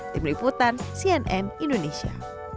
tim liputan cnn indonesia